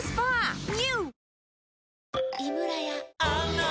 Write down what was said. ＮＥＷ！